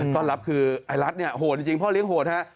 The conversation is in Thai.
ต้อนรับคือไอ้รัฐเนี่ยโหดจริงพ่อเลี้ยโหดฮะ